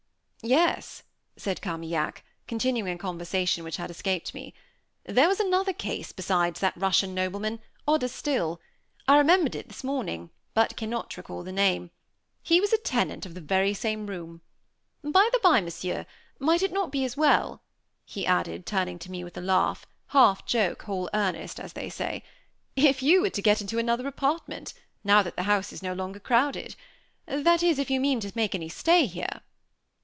"Yes," said Carmaignac, continuing a conversation which had escaped me, "there was another case, beside that Russian nobleman, odder still. I remembered it this morning, but cannot recall the name. He was a tenant of the very same room. By the by, Monsieur, might it not be as well," he added, turning to me with a laugh, half joke whole earnest, as they say, "if you were to get into another apartment, now that the house is no longer crowded? that is, if you mean to make any stay here."